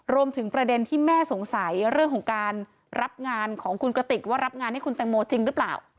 ประเด็นที่แม่สงสัยเรื่องของการรับงานของคุณกระติกว่ารับงานให้คุณแตงโมจริงหรือเปล่า